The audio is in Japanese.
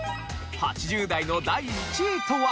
８０代の第１位とは？